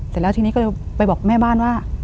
เสร็จแล้วทีนี้ก็เลยไปบอกแม่บ้านว่า